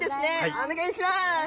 お願いします。